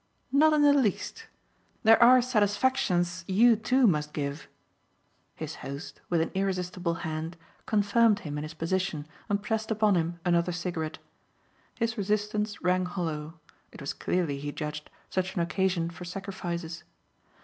"Not in the least. There are satisfactions you too must give." His host, with an irresistible hand, confirmed him in his position and pressed upon him another cigarette. His resistance rang hollow it was clearly, he judged, such an occasion for sacrifices.